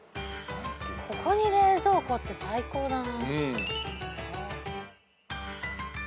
ここに冷蔵庫って最高だな。